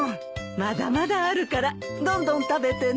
まだまだあるからどんどん食べてね。